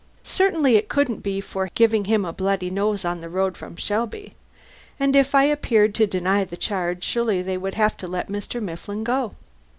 Certainly it couldn't be for giving him a bloody nose on the road from Shelby. And if I appeared to deny the charge, surely they would have to let Mr. Mifflin go.